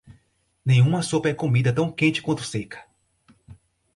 Nenhuma sopa é comida tão quente quanto seca.